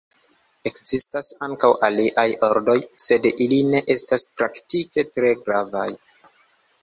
Ekzistas ankaŭ aliaj ordoj, sed ili ne estas praktike tre gravaj.